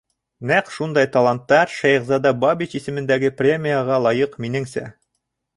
Нәҡ шундай таланттар Шәйехзада Бабич исемендәге премияға лайыҡ, минеңсә.